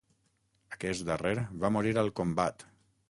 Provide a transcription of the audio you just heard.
Aquest darrer va morir al combat.